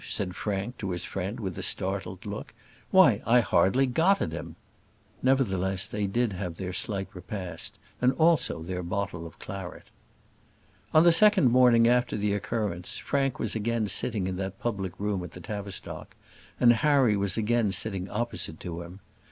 said Frank to his friend with a startled look. "Why I hardly got at him." Nevertheless, they did have their slight repast, and also their bottle of claret. On the second morning after this occurrence, Frank was again sitting in that public room at the Tavistock, and Harry was again sitting opposite to him.